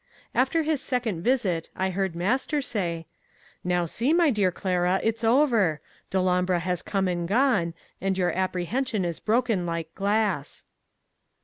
After his second visit I heard master say: 'Now, see, my dear Clara, it's over! Dellombra has come and gone, and your apprehension is broken like glass.